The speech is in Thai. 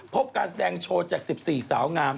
การแสดงโชว์จาก๑๔สาวงาม